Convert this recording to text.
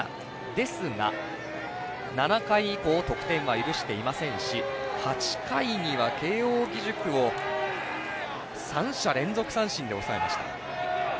ですが、７回以降得点は許していませんし８回には慶応義塾を３者連続三振に抑えました。